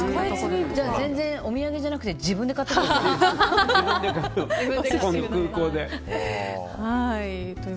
じゃあ全然お土産じゃなくて自分で買ってください。